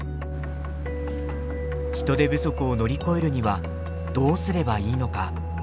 人手不足を乗り越えるにはどうすればいいのか。